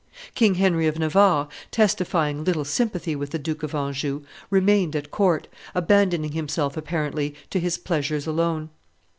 King Henry of Navarre, testifying little sympathy with the Duke of Anjou, remained at court, abandoning himself apparently to his pleasures alone.